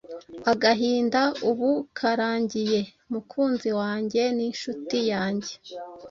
Agahinda ubu karangiye, mukunzi wanjye n'inshuti yanjye!